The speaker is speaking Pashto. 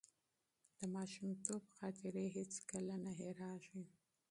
د ماشومتوب خاطرې هیڅکله نه هېرېږي.